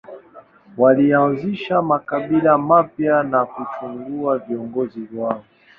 Walianzisha makabila mapya na kuchagua viongozi wao.